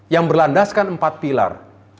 yang berlandaskan empat pilar